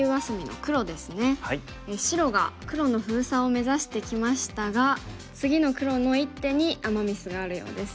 白が黒の封鎖を目指してきましたが次の黒の一手にアマ・ミスがあるようです。